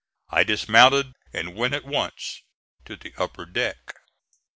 I dismounted and went at once to the upper deck.